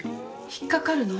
引っかかるの？